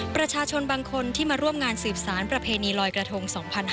ประชาชนบางคนที่มาร่วมงานสืบสารประเพณีลอยกระทง๒๕๕๙